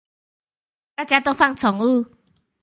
大家都放寵物